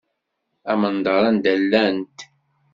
Amendeṛ anda llant.